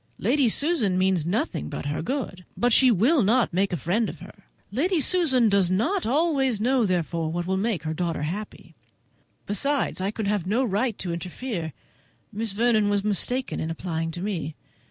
Lady Susan means nothing but her good, but she will not make a friend of her. Lady Susan does not always know, therefore, what will make her daughter happy. Besides, I could have no right to interfere. Miss Vernon was mistaken in applying to me.